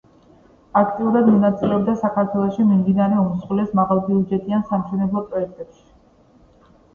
აქტიურად მონაწილეობდა საქართველოში მიმდინარე უმსხვილეს მაღალბიუჯეტიან სამშენებლო პროექტებში.